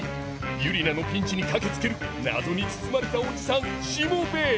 ユリナのピンチに駆けつける謎に包まれたおじさんしもべえ。